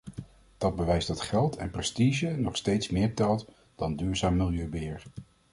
Dat bewijst dat geld en prestige nog steeds meer telt dan duurzaam milieubeheer.